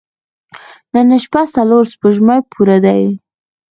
نن شپه څلور سپوږمۍ پوره دي.